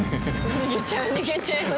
逃げちゃう逃げちゃいますね。